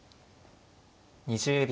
２０秒。